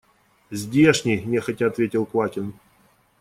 Здешний, – нехотя ответил Квакин.